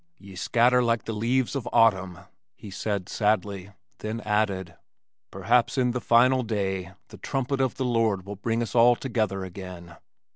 "Ye scatter like the leaves of autumn," he said sadly then added, "Perhaps in the Final Day the trumpet of the Lord will bring us all together again."